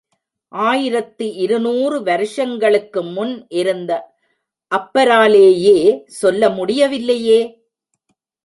ஆயிரத்து இரு நூறு வருஷங்களுக்கு முன் இருந்த அப்பராலேயே சொல்ல முடியவில்லையே.